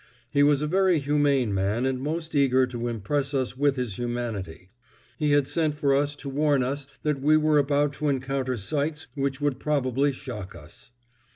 He was a very humane man and most eager to impress us with his humanity. He had sent for us to warn us that we were about to encounter sights which would probably shock us.